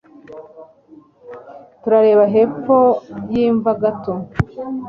Turareba hepfo yimva gato